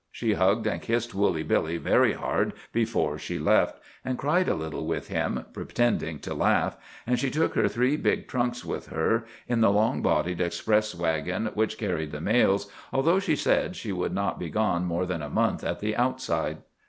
She hugged and kissed Woolly Billy very hard before she left, and cried a little with him, pretending to laugh, and she took her three big trunks with her, in the long bodied express waggon which carried the mails, although she said she would not be gone more than a month at the outside.